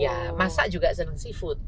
iya masak juga senang seafood